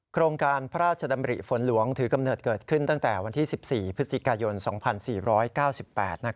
โครงการพระราชดำริฝนหลวงถือกำเนิดเกิดขึ้นตั้งแต่วันที่๑๔พฤศจิกายน๒๔๙๘